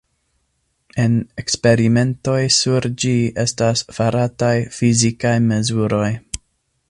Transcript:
En eksperimentoj sur ĝi estas farataj fizikaj mezuroj.